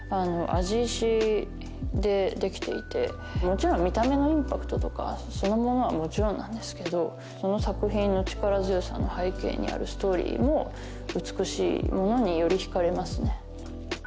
もちろん見た目のインパクトとかそのものはもちろんなんですけどその作品の力強さの背景にあるストーリーも美しいものによりひかれますね